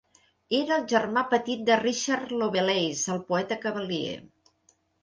Era el germà petit de Richard Lovelace, el poeta Cavalier.